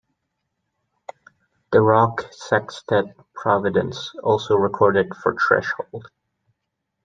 The rock sextet Providence also recorded for Threshold.